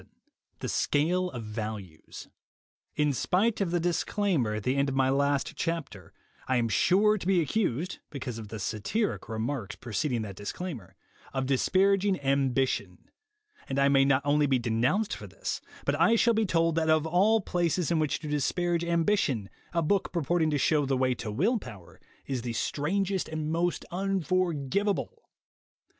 VII THE SCALE OF VALUES TN spite of the disclaimer at the end of my last " chapter, I am sure to be accused, because of the satiric remarks preceding that disclaimer, of dis paraging Ambition, and I may not only be denounced for this, but I shall be told that of all places in which to disparage Ambition, a book pur porting to show the way to will power is the strangest and most unforgivable.